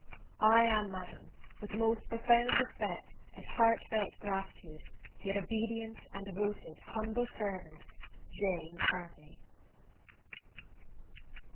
I am, Madam, with the most profound respect, and heartfelt gratitude, Your obedient, and devoted humble servant, J. MACARTNEY.